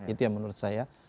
itu yang menurut saya